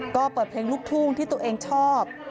ก็เปิดเพลงลูกทุ่งที่ตัวเองชอบ